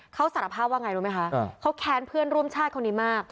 เขาสารภาพว่าไงรู้ไหมคะเขาแค้นเพื่อนร่วมชาติคนนี้มาก